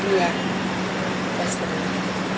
saya meminta maaf atas kejadian